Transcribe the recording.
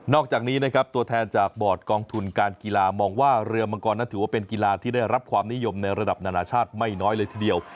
อกจากนี้นะครับตัวแทนจากบอร์ดกองทุนการกีฬามองว่าเรือมังกรนั้นถือว่าเป็นกีฬาที่ได้รับความนิยมในระดับนานาชาติไม่น้อยเลยทีเดียว